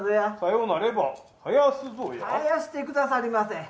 ああ、囃してくださりませ。